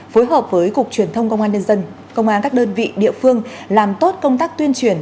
phối hợp với cục truyền thông công an nhân dân công an các đơn vị địa phương làm tốt công tác tuyên truyền